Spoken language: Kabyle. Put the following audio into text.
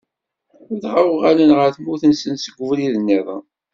Dɣa uɣalen ɣer tmurt-nsen seg ubrid-nniḍen.